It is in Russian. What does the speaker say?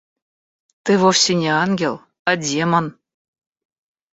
Ты вовсе не ангел, а демон.